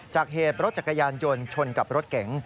จากเหตุรถจักรยานยนต์ชนกับรถเก๋ง